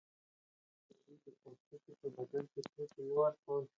آیا دوی د پوستکو په بدل کې توکي نه ورکول؟